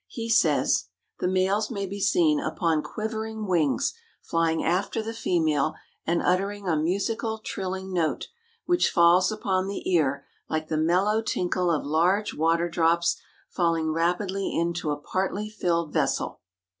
He says: "The males may be seen upon quivering wings flying after the female and uttering a musical, trilling note, which falls upon the ear like the mellow tinkle of large water drops falling rapidly into a partly filled vessel.